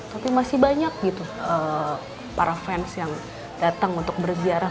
tapi masih banyak gitu para fans yang datang untuk berziarah